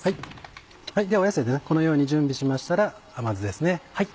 このように準備しましたら甘酢ですね。